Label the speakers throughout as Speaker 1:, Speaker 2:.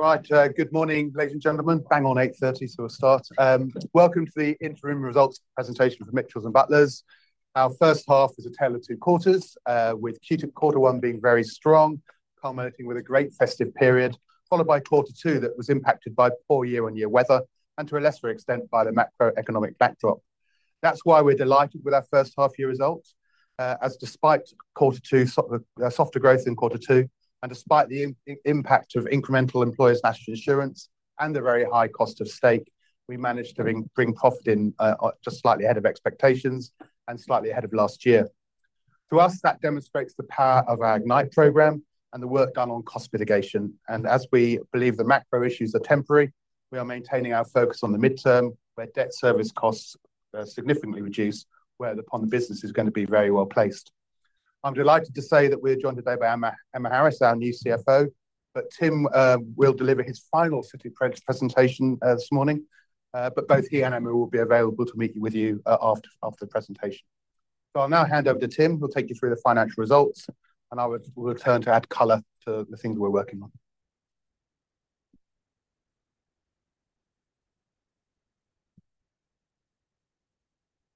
Speaker 1: Right. Good morning, ladies and gentlemen. Bang on 8:30, so we'll start. Welcome to the interim results presentation for Mitchells & Butlers. Our first half is a tale of two quarters, with Q2, quarter one being very strong, culminating with a great festive period, followed by quarter two that was impacted by poor year-on-year weather, and to a lesser extent, by the macroeconomic backdrop. That's why we're delighted with our first half year results, as despite softer growth in quarter two, and despite the impact of incremental employers' National Insurance and the very high cost of steak, we managed to bring profit in just slightly ahead of expectations and slightly ahead of last year. To us, that demonstrates the power of our Ignite program and the work done on cost mitigation. As we believe the macro issues are temporary, we are maintaining our focus on the midterm, where debt service costs are significantly reduced, where upon the business is going to be very well placed. I'm delighted to say that we're joined today by Emma Harris, our new CFO, Tim will deliver his final city presentation this morning. Both he and Emma will be available to meet with you after the presentation. I'll now hand over to Tim, who'll take you through the financial results, and I will return to add color to the things we're working on.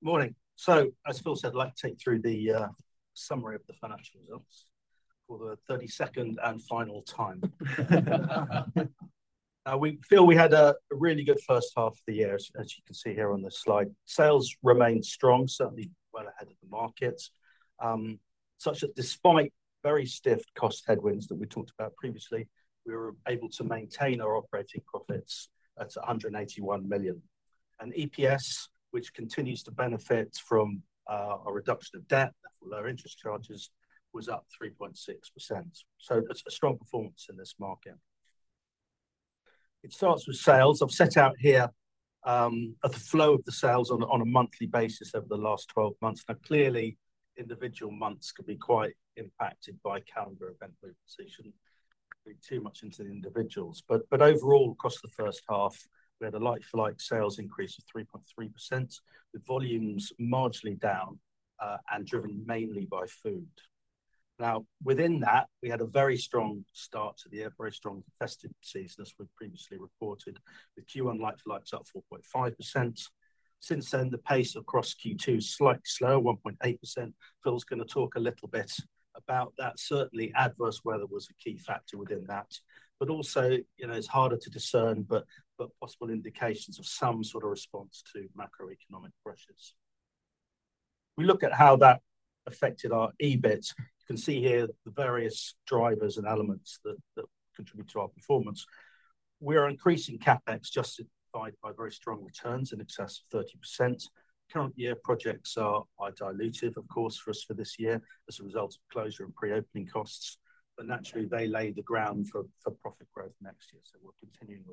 Speaker 2: Morning. As Phil said, I'd like to take you through the summary of the financial results for the 32nd and final time. Phil, we had a really good first half of the year, as you can see here on this slide. Sales remained strong, certainly well ahead of the market. Such that despite very stiff cost headwinds that we talked about previously, we were able to maintain our operating profits at 181 million. EPS, which continues to benefit from a reduction of debt, therefore lower interest charges, was up 3.6%. A strong performance in this market. It starts with sales. I've set out here the flow of the sales on a monthly basis over the last 12 months. Now clearly, individual months can be quite impacted by calendar event movement, so you shouldn't read too much into the individuals. Overall, across the first half, we had a like-for-like sales increase of 3.3%, with volumes marginally down and driven mainly by food. Within that, we had a very strong start to the year, very strong festive season, as we've previously reported, with Q1 like-for-likes up 4.5%. Since then, the pace across Q2 is slightly slower, 1.8%. Phil's going to talk a little bit about that. Certainly adverse weather was a key factor within that. Also, it's harder to discern, but possible indications of some sort of response to macroeconomic pressures. We look at how that affected our EBIT. You can see here the various drivers and elements that contribute to our performance. We are increasing CapEx justified by very strong returns in excess of 30%. Current year projects are dilutive, of course, for us for this year as a result of closure and pre-opening costs. Naturally, they lay the ground for profit growth next year. We're continuing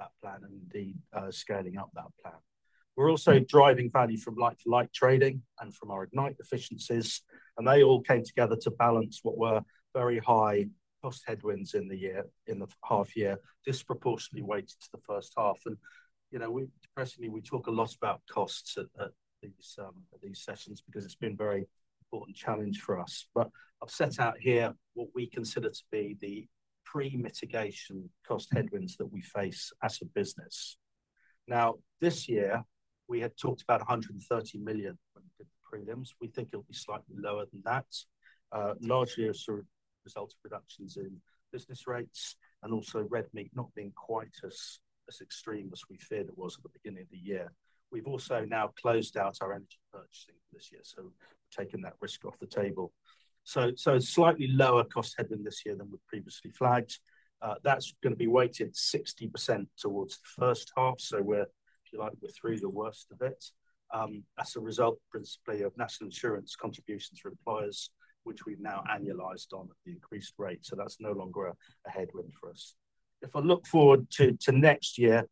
Speaker 2: with that plan and indeed scaling up that plan. We're also driving value from like-for-like trading and from our Ignite efficiencies, and they all came together to balance what were very high cost headwinds in the half year, disproportionately weighted to the first half. Personally, we talk a lot about costs at these sessions because it's been a very important challenge for us. I've set out here what we consider to be the pre-mitigation cost headwinds that we face as a business. This year, we had talked about 130 million when we did the prelims. We think it'll be slightly lower than that. Largely as a result of reductions in business rates and also red meat not being quite as extreme as we feared it was at the beginning of the year. We've also now closed out our energy purchasing for this year. We've taken that risk off the table. A slightly lower cost headwind this year than we've previously flagged. That's going to be weighted 60% towards the first half, so we're, if you like, we're through the worst of it. As a result, principally, of National Insurance contributions for employers, which we've now annualized on at the increased rate. That's no longer a headwind for us. If I look forward to next year,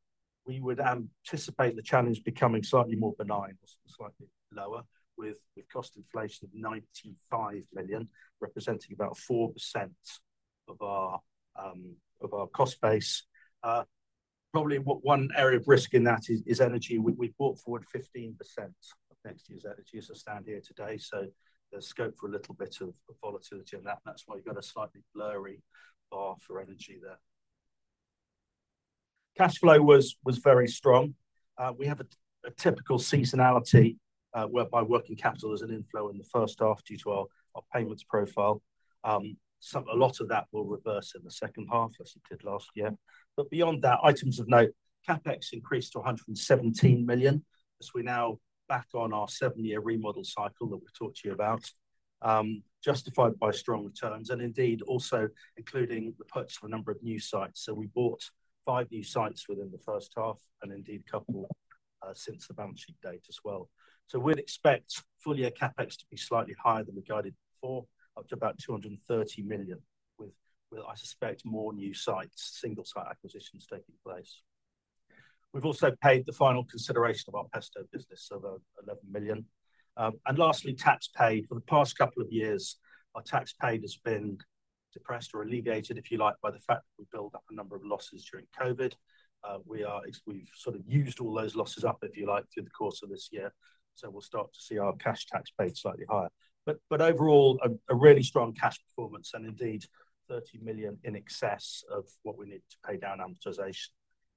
Speaker 2: we would anticipate the challenge becoming slightly more benign or slightly lower with cost inflation of 95 million, representing about 4% of our cost base. Probably one area of risk in that is energy. We've brought forward 15% of next year's energy as I stand here today, so there's scope for a little bit of volatility in that, and that's why you've got a slightly blurry bar for energy there. Cash flow was very strong. We have a typical seasonality whereby working capital is an inflow in the first half due to our payments profile. A lot of that will reverse in the second half as it did last year. Beyond that, items of note. CapEx increased to 117 million as we now back on our seven-year remodel cycle that we've talked to you about, justified by strong returns and indeed also including the purchase of a number of new sites. We bought five new sites within the first half and indeed a couple since the balance sheet date as well. We'd expect full year CapEx to be slightly higher than we guided before, up to about 230 million with, I suspect, more new sites, single site acquisitions taking place. We've also paid the final consideration of our Pesto business of 11 million. Lastly, tax paid. For the past couple of years, our tax paid has been depressed or alleviated, if you like, by the fact that we built up a number of losses during COVID. We've sort of used all those losses up, if you like, through the course of this year, so we'll start to see our cash tax paid slightly higher. Overall, a really strong cash performance and indeed 30 million in excess of what we need to pay down amortization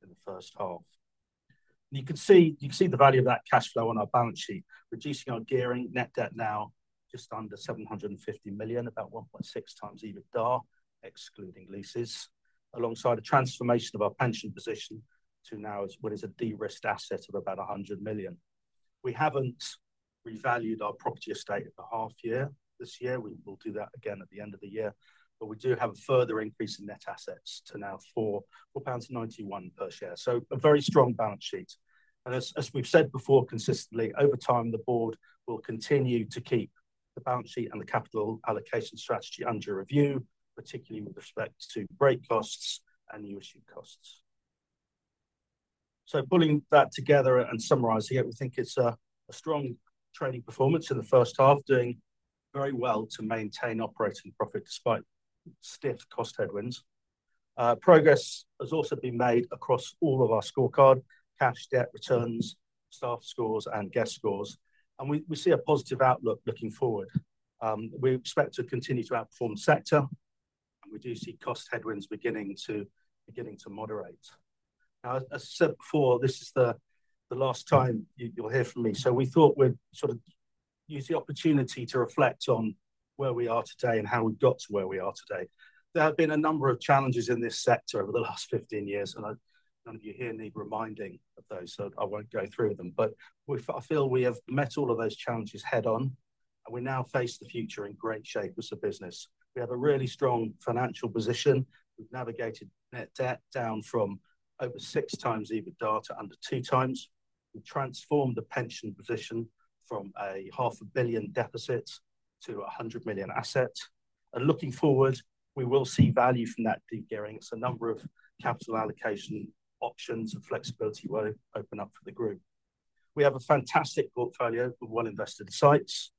Speaker 2: in the first half. You can see the value of that cash flow on our balance sheet, reducing our gearing net debt now just under 750 million, about 1.6x EBITDA, excluding leases, alongside a transformation of our pension position to now what is a de-risked asset of about 100 million. We haven't revalued our property estate at the half year this year. We will do that again at the end of the year. We do have a further increase in net assets to now 4.91 pounds per share. A very strong balance sheet. As we've said before consistently, over time the board will continue to keep the balance sheet and the capital allocation strategy under review, particularly with respect to break costs and new issue costs. Pulling that together and summarizing it, we think it's a strong trading performance in the first half, doing very well to maintain operating profit despite stiff cost headwinds. Progress has also been made across all of our scorecard, cash, debt, returns, staff scores, and guest scores, and we see a positive outlook looking forward. We expect to continue to outperform the sector, and we do see cost headwinds beginning to moderate. As I said before, this is the last time you'll hear from me, so we thought we'd sort of use the opportunity to reflect on where we are today and how we got to where we are today. There have been a number of challenges in this sector over the last 15 years, and none of you here need reminding of those, so I won't go through them. I feel we have met all of those challenges head on, and we now face the future in great shape as a business. We have a really strong financial position. We've navigated net debt down from over 6x EBITDA to under 2x. We transformed the pension position from a half a billion deficit to 100 million asset. Looking forward, we will see value from that de-gearing. A number of capital allocation options and flexibility will open up for the group. We have a fantastic portfolio of well-invested sites.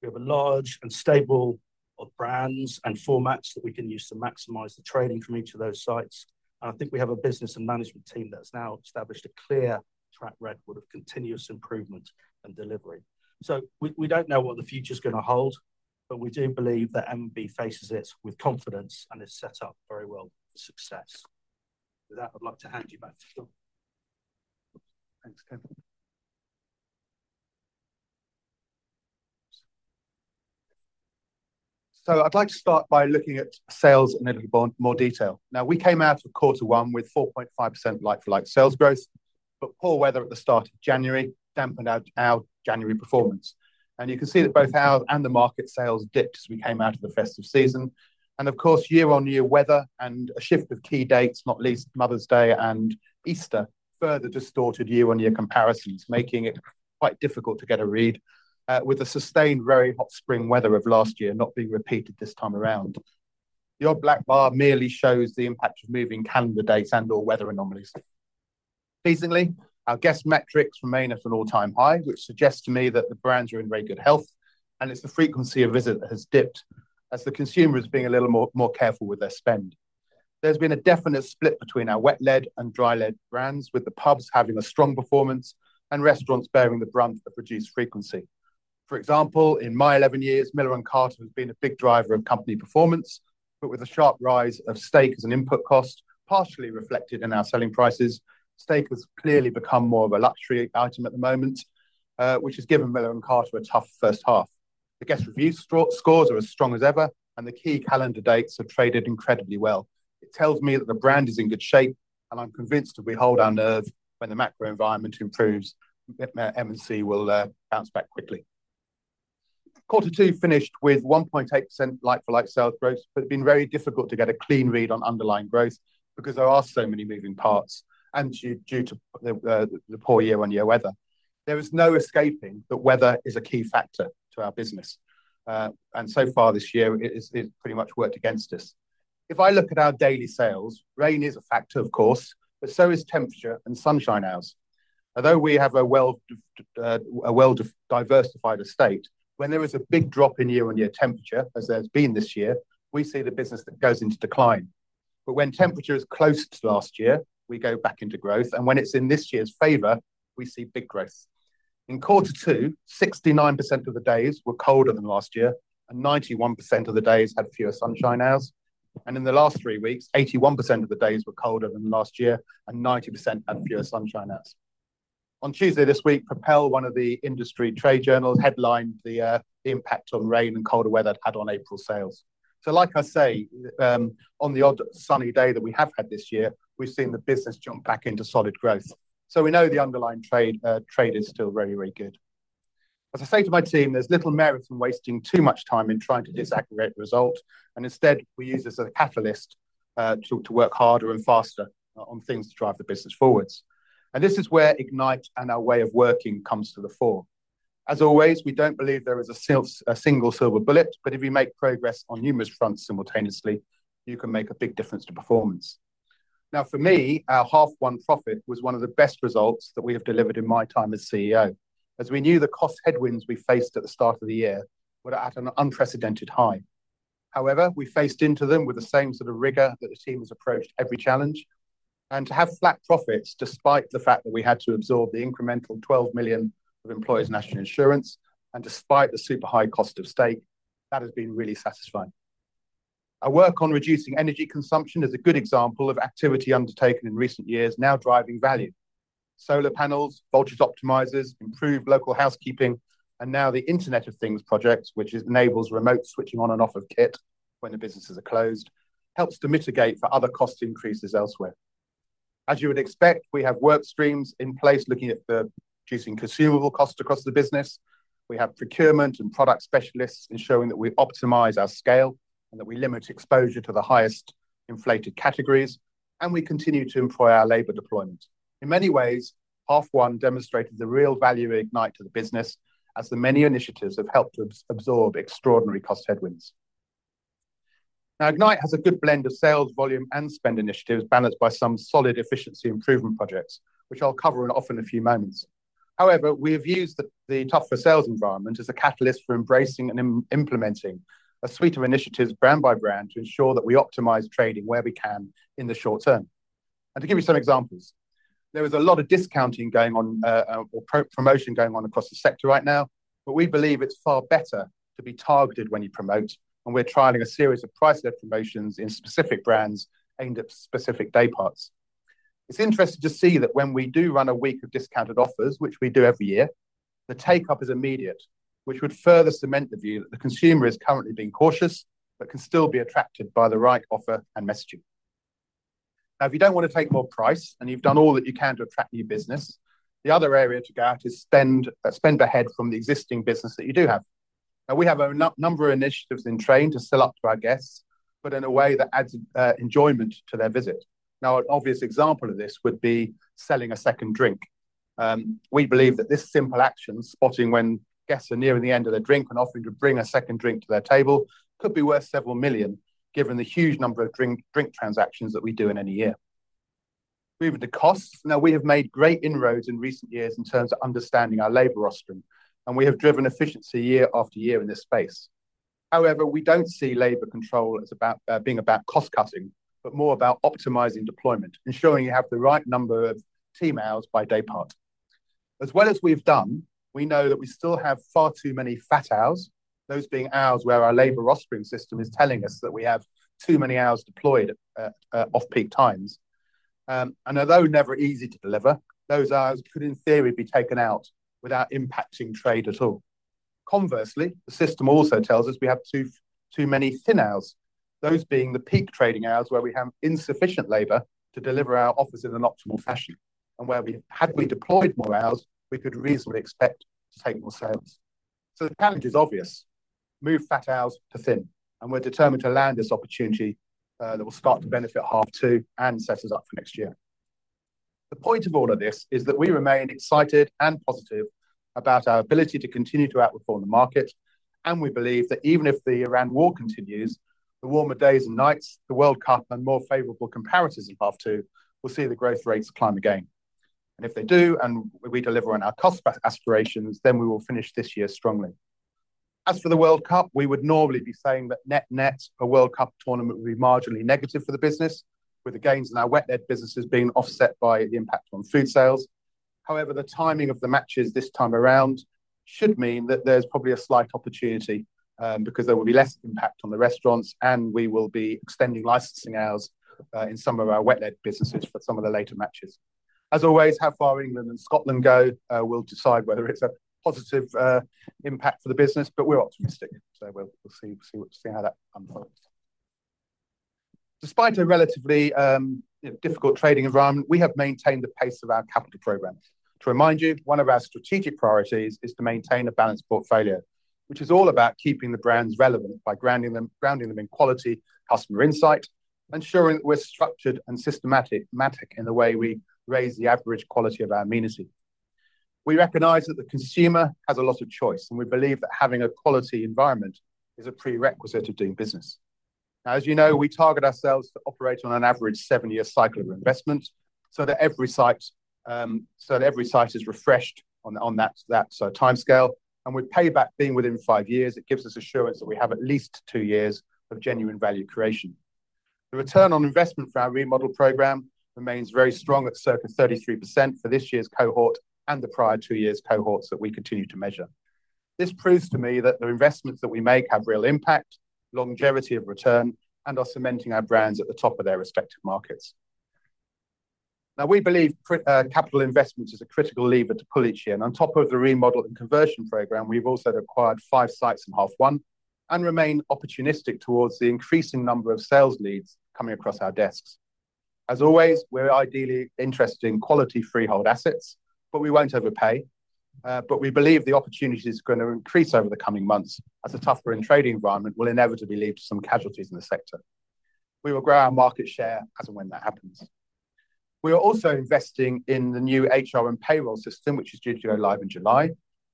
Speaker 2: We have a large and stable of brands and formats that we can use to maximize the trading from each of those sites. I think we have a business and management team that's now established a clear track record of continuous improvement and delivery. We don't know what the future's going to hold, but we do believe that M&B faces it with confidence and is set up very well for success. With that, I'd like to hand you back to Phil.
Speaker 1: Thanks, Tim. I'd like to start by looking at sales in a little more detail. Now, we came out of quarter one with 4.5% like-for-like sales growth, but poor weather at the start of January dampened our January performance. You can see that both our and the market sales dipped as we came out of the festive season. Of course, year-on-year weather and a shift of key dates, not least Mother's Day and Easter, further distorted year-on-year comparisons, making it quite difficult to get a read, with the sustained very hot spring weather of last year not being repeated this time around. The odd black bar merely shows the impact of moving calendar dates and/or weather anomalies. Pleasingly, our guest metrics remain at an all-time high, which suggests to me that the brands are in very good health, and it's the frequency of visit that has dipped as the consumer is being a little more careful with their spend. There's been a definite split between our wet-led and dry-led brands, with the pubs having a strong performance and restaurants bearing the brunt of reduced frequency. For example, in my 11 years, Miller & Carter has been a big driver of company performance, but with a sharp rise of steak as an input cost, partially reflected in our selling prices, steak has clearly become more of a luxury item at the moment, which has given Miller & Carter a tough first half. The guest review scores are as strong as ever, and the key calendar dates have traded incredibly well. It tells me that the brand is in good shape, and I'm convinced if we hold our nerve when the macro environment improves, M&B will bounce back quickly. Quarter two finished with 1.8% like-for-like sales growth, it had been very difficult to get a clean read on underlying growth because there are so many moving parts and due to the poor year-on-year weather. There is no escaping that weather is a key factor to our business. So far this year, it's pretty much worked against us. If I look at our daily sales, rain is a factor of course, but so is temperature and sunshine hours. Although we have a well-diversified estate, when there is a big drop in year-on-year temperature, as there's been this year, we see the business that goes into decline. When temperature is close to last year, we go back into growth. When it's in this year's favor, we see big growth. In quarter two, 69% of the days were colder than last year, and 91% of the days had fewer sunshine hours. In the last three weeks, 81% of the days were colder than last year, and 90% had fewer sunshine hours. On Tuesday this week, Propel, one of the industry trade journals, headlined the impact on rain and colder weather it had on April sales. Like I say, on the odd sunny day that we have had this year, we've seen the business jump back into solid growth. We know the underlying trade is still very, very good. As I say to my team, there's little merit in wasting too much time in trying to disaggregate results. Instead, we use this as a catalyst to work harder and faster on things to drive the business forwards. This is where Ignite and our way of working comes to the fore. As always, we don't believe there is a single silver bullet. If you make progress on numerous fronts simultaneously, you can make a big difference to performance. Now, for me, our H1 profit was one of the best results that we have delivered in my time as CEO, as we knew the cost headwinds we faced at the start of the year were at an unprecedented high. However, we faced into them with the same sort of rigor that the team has approached every challenge. To have flat profits, despite the fact that we had to absorb the incremental 12 million of employers' National Insurance, and despite the super high cost of steak, that has been really satisfying. Our work on reducing energy consumption is a good example of activity undertaken in recent years now driving value. Solar panels, voltage optimizers, improved local housekeeping, and now the Internet of Things project, which enables remote switching on and off of kit when the businesses are closed, helps to mitigate for other cost increases elsewhere. As you would expect, we have work streams in place looking at reducing consumable costs across the business. We have procurement and product specialists ensuring that we optimize our scale and that we limit exposure to the highest inflated categories, and we continue to employ our labor deployment. In many ways, half one demonstrated the real value of Ignite to the business as the many initiatives have helped to absorb extraordinary cost headwinds. Now, Ignite has a good blend of sales volume and spend initiatives balanced by some solid efficiency improvement projects, which I'll cover in a few moments. However, we have used the tougher sales environment as a catalyst for embracing and implementing a suite of initiatives brand by brand to ensure that we optimize trading where we can in the short term. To give you some examples, there is a lot of discounting going on, or promotion going on across the sector right now, but we believe it's far better to be targeted when you promote, and we're trialing a series of price led promotions in specific brands aimed at specific day parts. It's interesting to see that when we do run a week of discounted offers, which we do every year, the take-up is immediate, which would further cement the view that the consumer is currently being cautious but can still be attracted by the right offer and messaging. Now, if you don't want to take more price and you've done all that you can to attract new business, the other area to go at is spend per head from the existing business that you do have. Now, we have a number of initiatives in train to sell up to our guests, but in a way that adds enjoyment to their visit. Now, an obvious example of this would be selling a second drink. We believe that this simple action, spotting when guests are nearing the end of their drink and offering to bring a second drink to their table, could be worth GBP several million given the huge number of drink transactions that we do in any year. Moving to costs. Now, we have made great inroads in recent years in terms of understanding our labor rostering, and we have driven efficiency year after year in this space. However, we don't see labor control as being about cost cutting, but more about optimizing deployment, ensuring you have the right number of team hours by day part. As well as we've done, we know that we still have far too many fat hours, those being hours where our labor rostering system is telling us that we have too many hours deployed at off-peak times. Although never easy to deliver, those hours could, in theory, be taken out without impacting trade at all. Conversely, the system also tells us we have too many thin hours, those being the peak trading hours where we have insufficient labor to deliver our offers in an optimal fashion, and where, had we deployed more hours, we could reasonably expect to take more sales. The challenge is obvious. Move fat hours to thin, and we're determined to land this opportunity that will start to benefit half two and set us up for next year. The point of all of this is that we remain excited and positive about our ability to continue to outperform the market, and we believe that even if the Iran war continues, the warmer days and nights, the World Cup, and more favorable comparatives in half two will see the growth rates climb again. If they do and we deliver on our cost aspirations, we will finish this year strongly. As for the World Cup, we would normally be saying that net net, a World Cup tournament would be marginally negative for the business, with the gains in our wet-led businesses being offset by the impact on food sales. However, the timing of the matches this time around should mean that there's probably a slight opportunity, because there will be less impact on the restaurants, and we will be extending licensing hours in some of our wet-led businesses for some of the later matches. As always, how far England and Scotland go will decide whether it's a positive impact for the business, but we're optimistic. We'll see how that unfolds. Despite a relatively difficult trading environment, we have maintained the pace of our capital program. To remind you, one of our strategic priorities is to maintain a balanced portfolio, which is all about keeping the brands relevant by grounding them in quality, customer insight, ensuring that we're structured and systematic in the way we raise the average quality of our amenity. We recognize that the consumer has a lot of choice, and we believe that having a quality environment is a prerequisite of doing business. As you know, we target ourselves to operate on an average seven-year cycle of investment so that every site is refreshed on that sort of timescale. With payback being within five years, it gives us assurance that we have at least two years of genuine value creation. The return on investment for our remodel program remains very strong at circa 33% for this year's cohort and the prior two years' cohorts that we continue to measure. This proves to me that the investments that we make have real impact, longevity of return, and are cementing our brands at the top of their respective markets. We believe capital investment is a critical lever to pull each year, and on top of the remodel and conversion program, we've also acquired 5 sites in Half 1 and remain opportunistic towards the increasing number of sales leads coming across our desks. We're ideally interested in quality freehold assets, but we won't overpay. We believe the opportunity is going to increase over the coming months as a tougher trading environment will inevitably lead to some casualties in the sector. We will grow our market share as and when that happens. We are also investing in the new HR and payroll system, which is due to go live in July,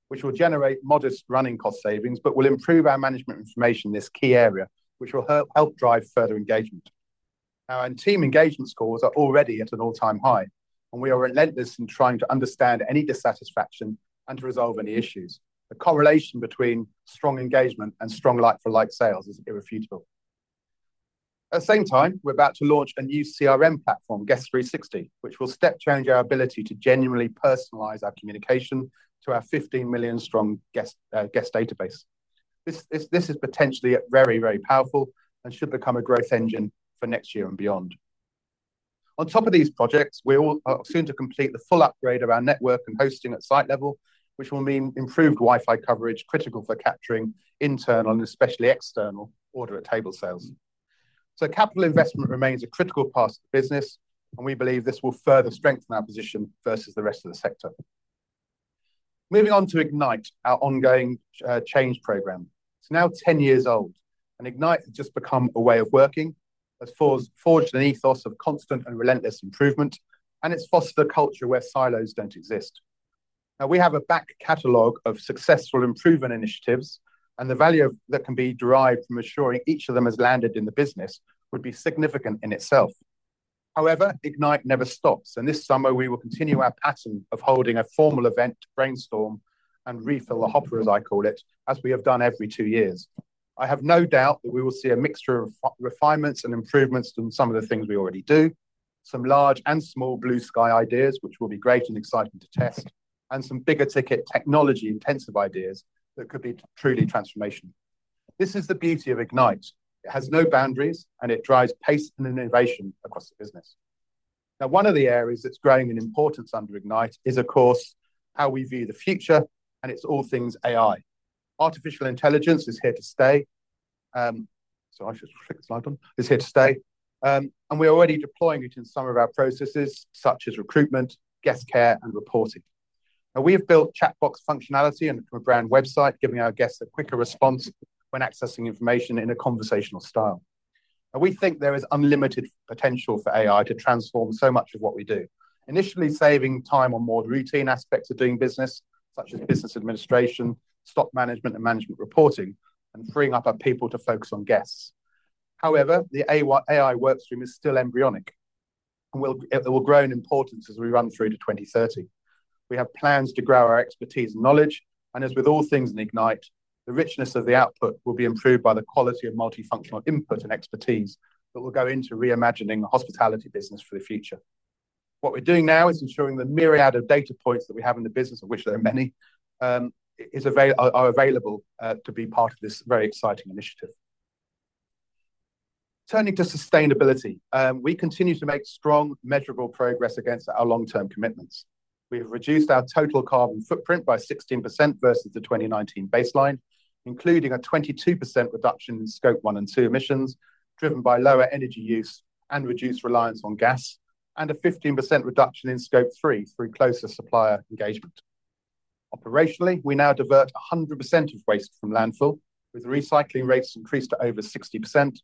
Speaker 1: which will generate modest running cost savings but will improve our management information in this key area, which will help drive further engagement. Our team engagement scores are already at an all-time high, and we are relentless in trying to understand any dissatisfaction and to resolve any issues. The correlation between strong engagement and strong like-for-like sales is irrefutable. At the same time, we're about to launch a new CRM platform, Guest 360, which will step change our ability to genuinely personalize our communication to our 15 million strong guest database. This is potentially very, very powerful and should become a growth engine for next year and beyond. On top of these projects, we're all soon to complete the full upgrade of our network and hosting at site level, which will mean improved Wi-Fi coverage, critical for capturing internal and especially external order at table sales. Capital investment remains a critical part of the business, and we believe this will further strengthen our position versus the rest of the sector. Moving on to Ignite, our ongoing change program. It's now 10 years old, and Ignite has just become a way of working, has forged an ethos of constant and relentless improvement, and it's fostered a culture where silos don't exist. Now we have a back catalog of successful improvement initiatives, and the value that can be derived from ensuring each of them has landed in the business would be significant in itself. However, Ignite never stops, and this summer we will continue our pattern of holding a formal event to brainstorm and refill the hopper, as I call it, as we have done every two years. I have no doubt that we will see a mixture of refinements and improvements to some of the things we already do. Some large and small blue sky ideas, which will be great and exciting to test, and some bigger ticket technology intensive ideas that could be truly transformational. This is the beauty of Ignite. It has no boundaries and it drives pace and innovation across the business. Now, one of the areas that's growing in importance under Ignite is, of course, how we view the future, and it's all things AI. Artificial intelligence is here to stay. Sorry, I should put the next slide on. Is here to stay, and we're already deploying it in some of our processes such as recruitment, guest care and reporting. Now we have built chat box functionality into our brand website, giving our guests a quicker response when accessing information in a conversational style. Now we think there is unlimited potential for AI to transform so much of what we do, initially saving time on more routine aspects of doing business, such as business administration, stock management, and management reporting, and freeing up our people to focus on guests. However, the AI work stream is still embryonic, and will grow in importance as we run through to 2030. We have plans to grow our expertise and knowledge, and as with all things in Ignite, the richness of the output will be improved by the quality of multifunctional input and expertise that will go into reimagining the hospitality business for the future. What we're doing now is ensuring the myriad of data points that we have in the business, of which there are many, are available to be part of this very exciting initiative. Turning to sustainability. We continue to make strong, measurable progress against our long-term commitments. We have reduced our total carbon footprint by 16% versus the 2019 baseline, including a 22% reduction in scope one and two emissions, driven by lower energy use and reduced reliance on gas, and a 15% reduction in scope three through closer supplier engagement. Operationally, we now divert 100% of waste from landfill, with recycling rates increased to over 60%.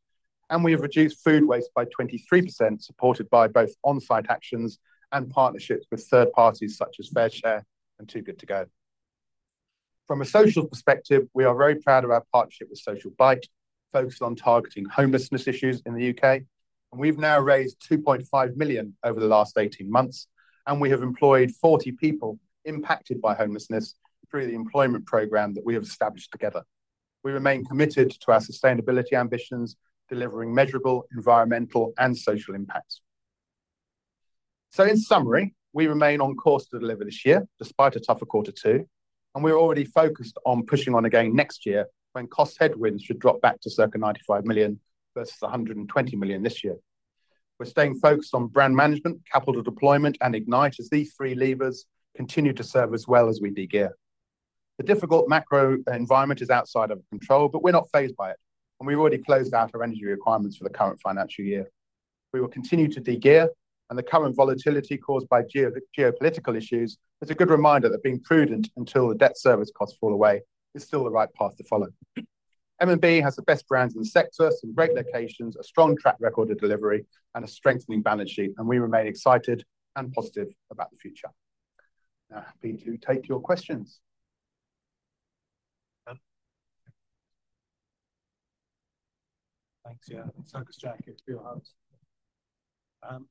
Speaker 1: We have reduced food waste by 23%, supported by both on-site actions and partnerships with third parties such as FareShare and Too Good To Go. From a social perspective, we are very proud of our partnership with Social Bite, focused on targeting homelessness issues in the U.K. We've now raised 2.5 million over the last 18 months. We have employed 40 people impacted by homelessness through the employment program that we have established together. We remain committed to our sustainability ambitions, delivering measurable environmental and social impacts. In summary, we remain on course to deliver this year despite a tougher quarter two. We're already focused on pushing on again next year when cost headwinds should drop back to circa 95 million versus 120 million this year. We're staying focused on brand management, capital deployment and Ignite as these three levers continue to serve us well as we de-gear. The difficult macro environment is outside of our control, but we're not fazed by it, and we've already closed out our energy requirements for the current financial year. We will continue to de-gear and the current volatility caused by geopolitical issues is a good reminder that being prudent until the debt service costs fall away is still the right path to follow. M&B has the best brands in the sector, some great locations, a strong track record of delivery, and a strengthening balance sheet, and we remain excited and positive about the future. Now, happy to take your questions.
Speaker 3: Tim. Thanks, yeah. It's Douglas Jack from Peel Hunt. Don't know if this is working.
Speaker 1: I can hear you anyway.
Speaker 3: Okay.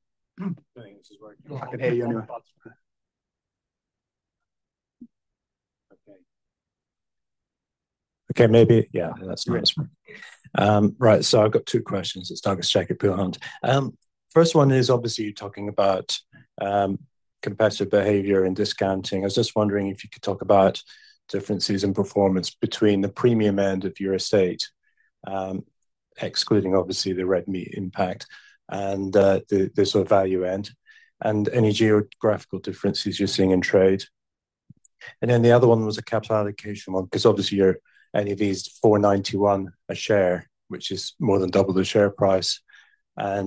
Speaker 3: Okay, maybe, yeah, that's nice. Right. I've got two questions. It's Douglas Jack at Peel Hunt. First one is obviously talking about competitive behavior and discounting. I was just wondering if you could talk about differences in performance between the premium end of your estate, excluding obviously the red meat impact and the sort of value end, and any geographical differences you're seeing in trade. The other one was a capital allocation one, because obviously your NAV is 491 a share, which is more than double the share price. I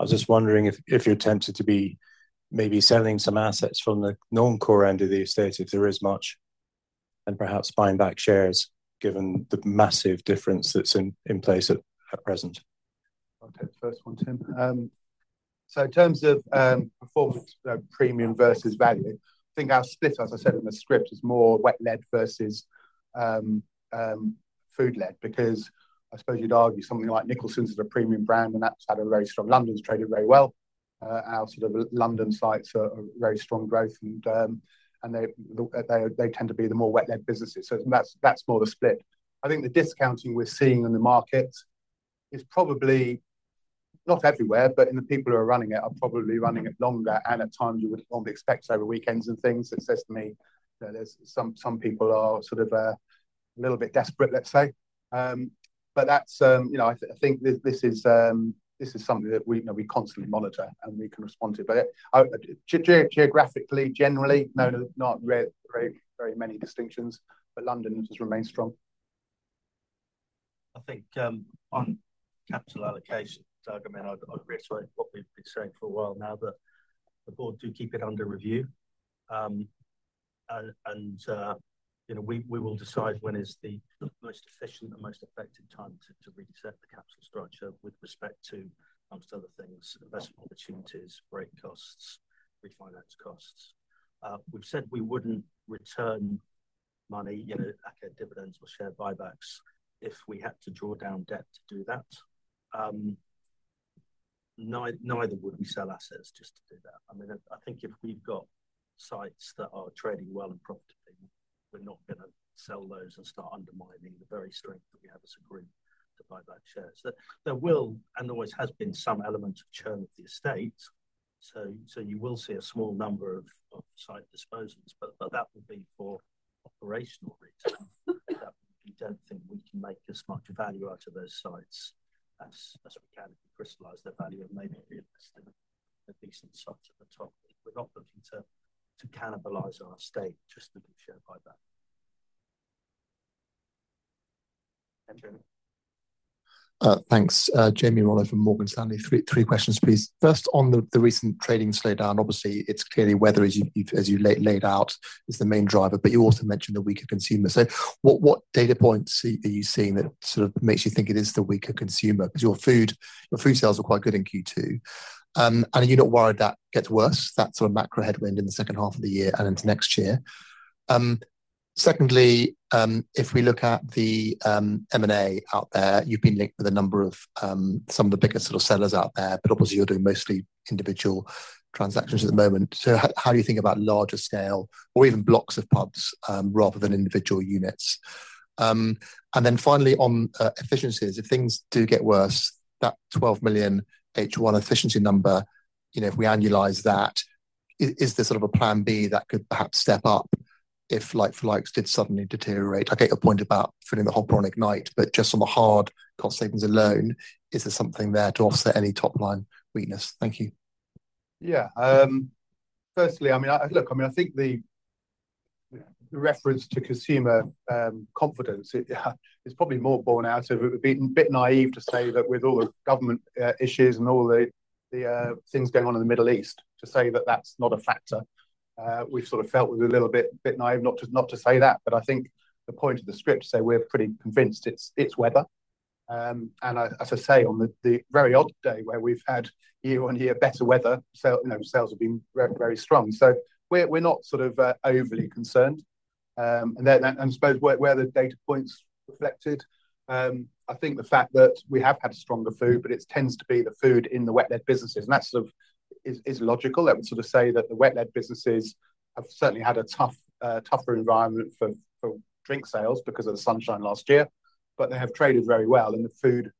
Speaker 3: was just wondering if you're tempted to be maybe selling some assets from the non-core end of the estate, if there is much, and perhaps buying back shares, given the massive difference that's in place at present.
Speaker 1: I'll take the first one, Tim. In terms of performance, premium versus value, I think our split, as I said in the script, is more wet-led versus food-led because I suppose you'd argue something like Nicholson's is a premium brand and that's had a very strong, London's traded very well. Our London sites are very strong growth, and they tend to be the more wet-led businesses. That's more the split. I think the discounting we're seeing in the market is probably not everywhere, but in the people who are running it, are probably running it longer and at times you wouldn't normally expect, over weekends and things. It says to me that some people are a little bit desperate, let's say. I think this is something that we constantly monitor, and we can respond to. Geographically, generally, no, not very many distinctions, but London just remains strong.
Speaker 2: I think on capital allocation, I'd reiterate what we've been saying for a while now, that the board do keep it under review. We will decide when is the most efficient and most effective time to reset the capital structure with respect to, amongst other things, investment opportunities, break costs, refinance costs. We've said we wouldn't return money, aka dividends or share buybacks if we had to draw down debt to do that. Neither would we sell assets just to do that. I think if we've got sites that are trading well and profitably, we're not going to sell those and start undermining the very strength that we have as a group to buy back shares. There will and always has been some element of churn of the estate. You will see a small number of site disposals, but that will be for operational return. That we don't think we can make as much value out of those sites as we can if we crystallize the value of maybe investing a decent sum at the top. We're not looking to cannibalize our estate just to do share buyback. Andrew.
Speaker 4: Thanks. Jamie Rollo from Morgan Stanley. Three questions, please. First, on the recent trading slowdown. Obviously, it's clearly weather, as you laid out is the main driver, you also mentioned the weaker consumer. What data points are you seeing that makes you think it is the weaker consumer? Your food sales were quite good in Q2. Are you not worried that gets worse, that sort of macro headwind in the second half of the year and into next year? Secondly, if we look at the M&A out there, you've been linked with some of the biggest sellers out there, obviously you're doing mostly individual transactions at the moment. How do you think about larger scale or even blocks of pubs, rather than individual units? Finally on efficiencies, if things do get worse, that 12 million H1 efficiency number, if we annualize that, is there sort of a plan B that could perhaps step up if like-for-likes did suddenly deteriorate? I get your point about filling the hole through Ignite. Just on the hard cost savings alone, is there something there to offset any top-line weakness? Thank you.
Speaker 1: I think the reference to consumer confidence is probably more born out of it would be a bit naive to say that with all the government issues and all the things going on in the Middle East, to say that that's not a factor. We've sort of felt it was a little bit naive not to say that. I think the point of the script to say we're pretty convinced it's weather. As I say, on the very odd day where we've had year-on-year better weather, sales have been very strong. We're not overly concerned. I suppose where the data point is reflected, I think the fact that we have had stronger food. It tends to be the food in the wet-led businesses, and that is logical. I would say that the wet-led businesses have certainly had a tougher environment for drink sales because of the sunshine last year, but they have traded very well and the food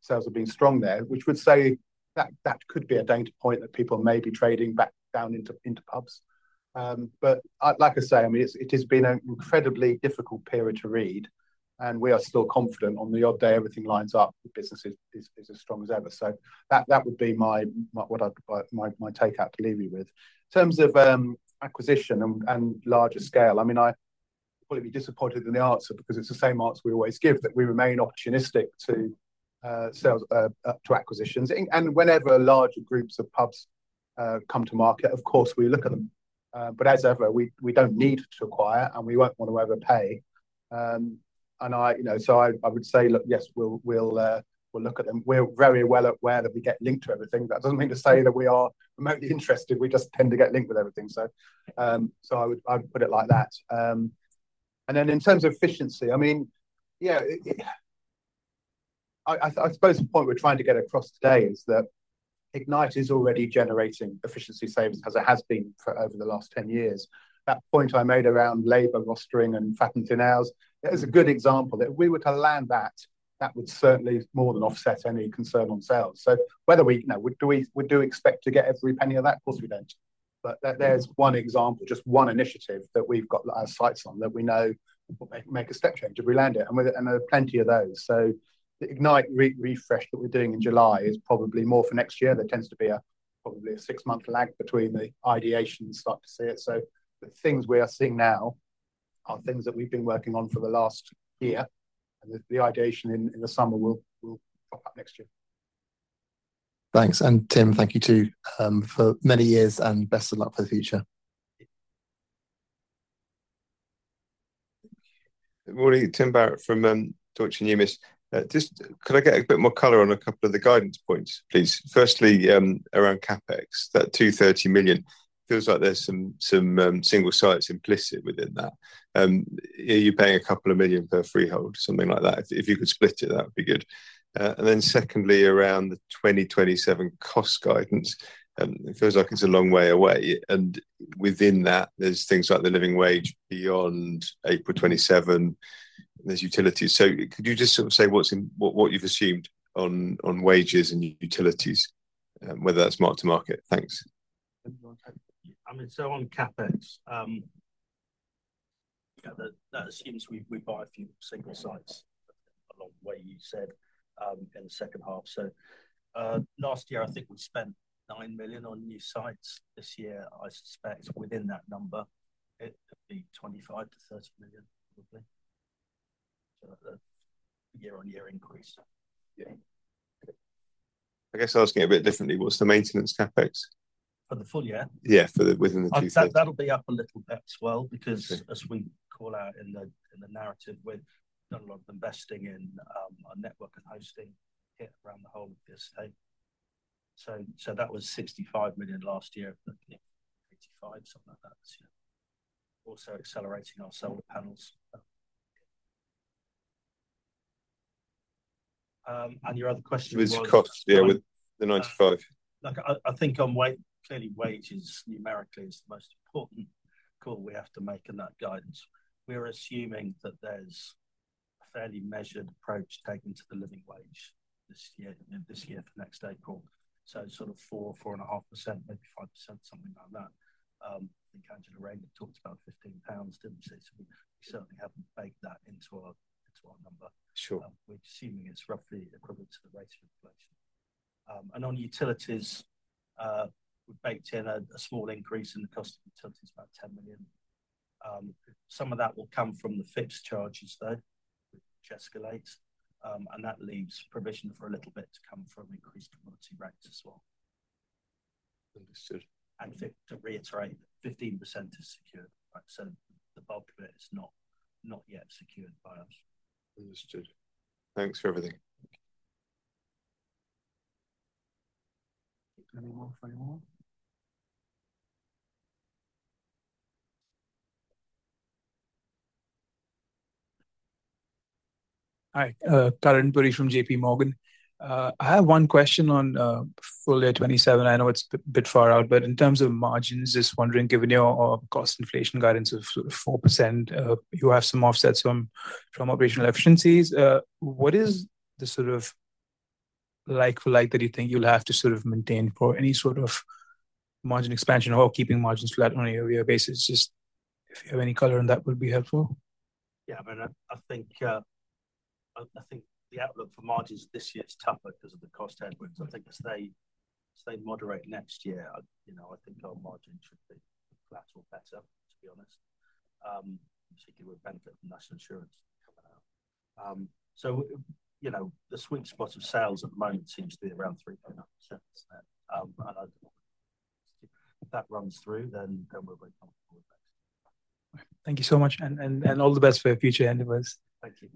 Speaker 1: sales have been strong there, which would say that could be a data point that people may be trading back down into pubs. Like I say, it has been an incredibly difficult period to read, and we are still confident on the odd day everything lines up, the business is as strong as ever. That would be my take out to leave you with. In terms of acquisition and larger scale, you'll probably be disappointed in the answer because it's the same answer we always give, that we remain opportunistic to acquisitions. Whenever larger groups of pubs come to market, of course we look at them. As ever, we don't need to acquire, and we won't want to overpay. I would say, look, yes, we'll look at them. We're very well aware that we get linked to everything. That doesn't mean to say that we are remotely interested, we just tend to get linked with everything. I would put it like that. In terms of efficiency, I suppose the point we're trying to get across today is that Ignite is already generating efficiency savings as it has been for over the last 10 years. That point I made around labor rostering and fattened thin hours, that is a good example. If we were to land that would certainly more than offset any concern on sales. Do we expect to get every penny of that? Of course, we don't. There's one example, just one initiative that we've got our sights on that we know will make a step change if we land it, and there are plenty of those. The Ignite refresh that we're doing in July is probably more for next year. There tends to be probably a six-month lag between the ideation and start to see it. The things we are seeing now are things that we've been working on for the last year, and the ideation in the summer will pop up next year.
Speaker 4: Thanks. Tim, thank you, too, for many years, and best of luck for the future.
Speaker 5: Morning, Tim Barrett from Deutsche Numis. Could I get a bit more color on a couple of the guidance points, please? Firstly, around CapEx, that 230 million feels like there's some single sites implicit within that. Are you paying a couple of million per freehold? Something like that. If you could split it, that would be good. Secondly, around the 2027 cost guidance, it feels like it's a long way away and within that there's things like the living wage beyond April 2027, there's utilities. Could you just sort of say what you've assumed on wages and utilities, whether that's mark to market? Thanks.
Speaker 2: I mean, on CapEx, yeah, that assumes we buy a few single sites along the way, you said, in the second half. Last year I think we spent 9 million on new sites. This year, I suspect within that number it could be 25 million-30 million probably. That's a year-on-year increase. Yeah.
Speaker 5: I guess asking it a bit differently, what's the maintenance CapEx?
Speaker 2: For the full year?
Speaker 5: Yeah. For within the Q2.
Speaker 2: That'll be up a little bit as well because.
Speaker 5: Okay.
Speaker 2: We've done a lot of investing in our network and hosting it around the whole of the estate. That was 65 million last year, 85 million, something like that. Also accelerating our solar panels. Your other question was?
Speaker 5: With costs, yeah, with the 95 million.
Speaker 2: Look, I think on clearly wages numerically is the most important call we have to make in that guidance. We're assuming that there's a fairly measured approach taken to the living wage this year for next April. Sort of 4%, 4.5%, maybe 5%, something like that. I think Angela Rayner talked about 15 pounds, didn't she? We certainly haven't baked that into our number.
Speaker 5: Sure.
Speaker 2: We're assuming it's roughly equivalent to the rates of inflation. On utilities, we've baked in a small increase in the cost of utilities, about 10 million. Some of that will come from the fixed charges though which escalate, that leaves permission for a little bit to come from increased commodity rates as well.
Speaker 5: Understood.
Speaker 2: To reiterate, 15% is secure. The bulk of it is not yet secured by us.
Speaker 5: Understood. Thanks for everything.
Speaker 1: Any more? Any more?
Speaker 6: Hi, Karan Puri from JPMorgan. I have one question on full year 2027. I know it's a bit far out. In terms of margins, just wondering, given your cost inflation guidance of 4%, you have some offsets from operational efficiencies. What is the sort of like-for-like that you think you'll have to sort of maintain for any sort of margin expansion or keeping margins flat on a year-over-year basis? Just if you have any color on that would be helpful.
Speaker 2: Yeah, I mean, I think the outlook for margins this year is tougher because of the cost headwinds. I think as they moderate next year, I think our margin should be flat or better, to be honest, particularly with benefit from National Insurance coming out. The sweet spot of sales at the moment seems to be around 3.9%. If that runs through, we're very comfortable with that.
Speaker 6: Thank you so much and all the best for your future endeavors.
Speaker 2: Thank you.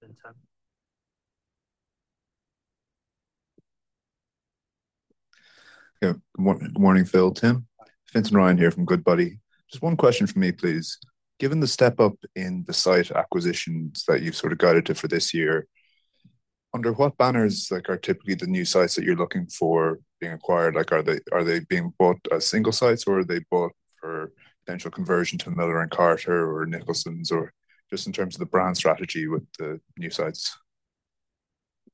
Speaker 2: Fintan.
Speaker 7: Yeah. Good morning, Phil, Tim. Fintan Ryan here from Goodbody. Just one question from me, please. Given the step up in the site acquisitions that you've sort of guided to for this year, under what banners like are typically the new sites that you're looking for being acquired? Are they being bought as single sites or are they bought for potential conversion to Miller & Carter or Nicholson's or just in terms of the brand strategy with the new sites?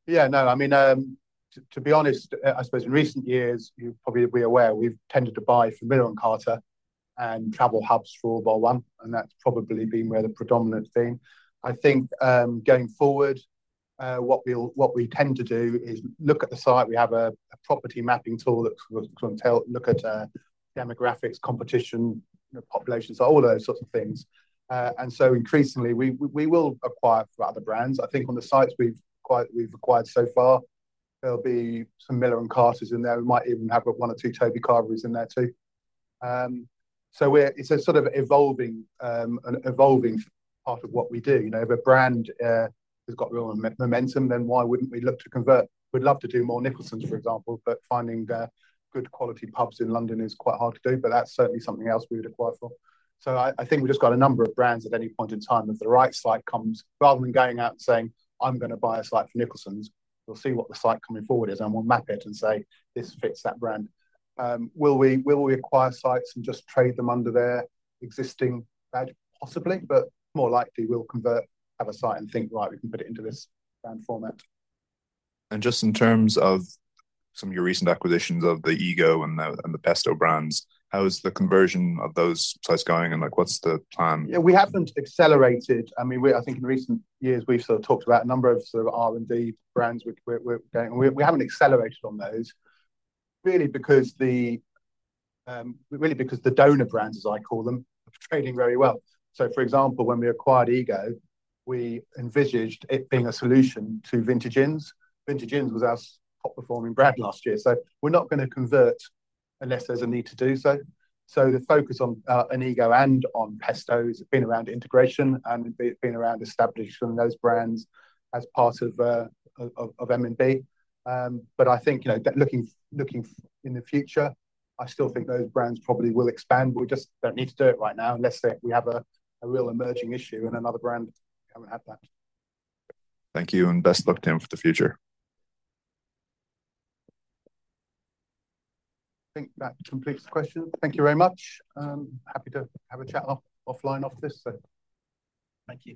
Speaker 1: No, I mean, to be honest, I suppose in recent years you'd probably be aware we've tended to buy from Miller & Carter and travel hubs for All Bar One. That's probably been where the predominant theme. I think, going forward, what we'll tend to do is look at the site. We have a property mapping tool that will look at demographics, competition, populations, all those sorts of things. Increasingly we will acquire for other brands. I think on the sites we've acquired so far, there'll be some Miller & Carter's in there. We might even have one or two Toby Carvery's in there too. It's a sort of evolving part of what we do. If a brand has got real momentum, why wouldn't we look to convert? We'd love to do more Nicholson's for example, but finding good quality pubs in London is quite hard to do. That's certainly something else we would acquire for. I think we've just got a number of brands at any point in time if the right site comes, rather than going out and saying, "I'm going to buy a site for Nicholson's," we'll see what the site coming forward is and we'll map it and say, "This fits that brand." Will we acquire sites and just trade them under their existing badge? Possibly, but more likely we'll convert, have a site and think, "Right, we can put it into this brand format.
Speaker 7: Just in terms of some of your recent acquisitions of the Ego and the Pesto brands, how's the conversion of those sites going and what's the plan?
Speaker 1: Yeah, we haven't accelerated. I think in recent years we've sort of talked about a number of sort of R&D brands we're getting, and we haven't accelerated on those really because the donor brands, as I call them, are trading very well. For example, when we acquired Ego, we envisaged it being a solution to Vintage Inns. Vintage Inns was our top performing brand last year, we're not going to convert unless there's a need to do so. The focus on Ego and on Pesto has been around integration and been around establishing those brands as part of M&B. I think looking in the future, I still think those brands probably will expand. We just don't need to do it right now unless we have a real emerging issue in another brand. We haven't had that.
Speaker 7: Thank you, and best of luck, Tim, for the future.
Speaker 1: I think that completes the questions. Thank you very much. I'm happy to have a chat offline off this, so thank you.